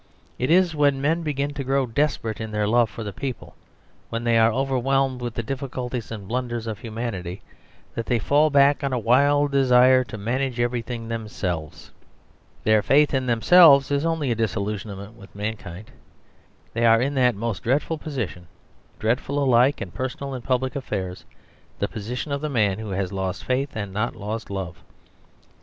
It is when men begin to grow desperate in their love for the people, when they are overwhelmed with the difficulties and blunders of humanity, that they fall back upon a wild desire to manage everything themselves. Their faith in themselves is only a disillusionment with mankind. They are in that most dreadful position, dreadful alike in personal and public affairs the position of the man who has lost faith and not lost love.